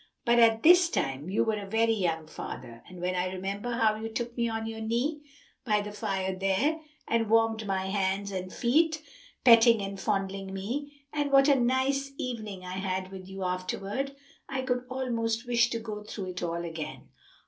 "But at this time you were a very young father; and when I remember how you took me on your knee, by the fire there, and warmed my hands and feet, petting and fondling me, and what a nice evening I had with you afterward, I could almost wish to go through it all again."